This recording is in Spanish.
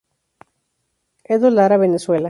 Edo Lara, Venezuela.